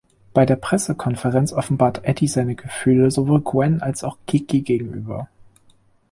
Bei der Pressekonferenz offenbart Eddie seine Gefühle sowohl Gwen als auch Kiki gegenüber.